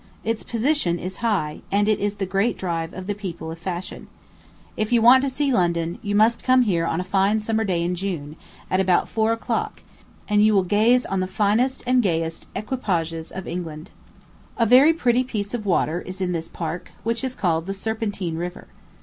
Its position is high, and it is the great drive of the people of fashion. If you want to see London, you must come here on a fine summer day in June, at about four o'clock, and you will gaze on the finest and gayest equipages of England. A very pretty piece of water is in this park, which is called "the Serpentine River."